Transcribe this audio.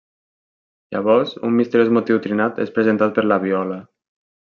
Llavors un misteriós motiu trinat és presentat per la viola.